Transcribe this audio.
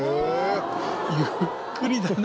ゆっくりだな。